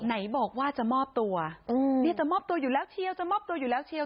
ไหนบอกว่าจะมอบตัวเนี่ยจะมอบตัวอยู่แล้วเชียวจะมอบตัวอยู่แล้วเชียว